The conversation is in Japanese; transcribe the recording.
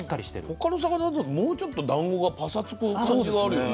他の魚だともうちょっとだんごがパサつく感じがあるよね。